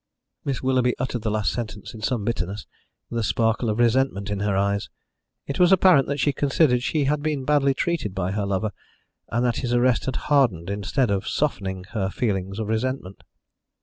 Miss Willoughby uttered the last sentence in some bitterness, with a sparkle of resentment in her eyes. It was apparent that she considered she had been badly treated by her lover, and that his arrest had hardened, instead of softening, her feelings of resentment.